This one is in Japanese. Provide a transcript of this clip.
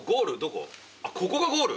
ここがゴール？